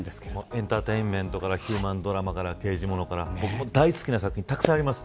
エンターテインメントがヒューマンドラマから刑事ものから僕も大好きな作品たくさんあります。